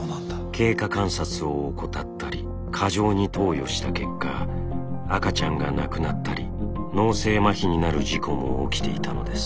経過観察を怠ったり過剰に投与した結果赤ちゃんが亡くなったり脳性マヒになる事故も起きていたのです。